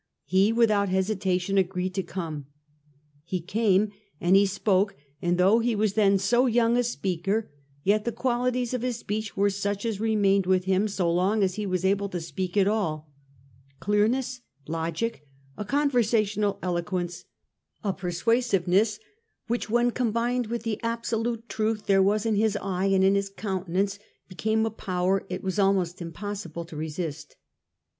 He without hesitation agreed to come. He came and he spoke ; and though he was then so young a speaker, yet the qualities of his speech were such as remained with him so long as he was able to speak at all — clearness, logic, a conversational eloquence, a persuasiveness which when combined with the absolute truth there was in his eye and in his countenance, became a power it was almost impossible to resist.